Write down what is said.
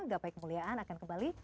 gapai kemuliaan akan kembali